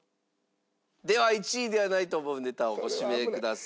では１位ではないと思うネタをご指名ください。